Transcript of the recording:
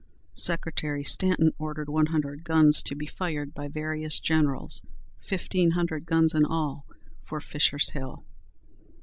Secretary Stanton ordered one hundred guns to be fired by various generals, fifteen hundred guns in all, for Fisher's Hill.